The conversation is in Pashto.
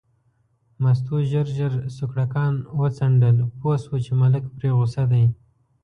مستو ژر ژر سوکړکان وڅنډل، پوه شوه چې ملک پرې غوسه دی.